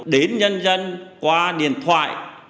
đến nhân dân qua điện thoại